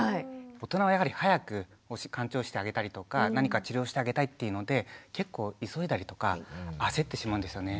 大人はやはり早くかん腸してあげたりとか何か治療してあげたいっていうので結構急いだりとか焦ってしまうんですよね。